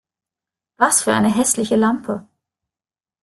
Was für eine hässliche Lampe!